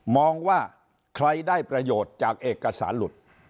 มองว่าใครได้ประโยชน์จากเอกสารหลุด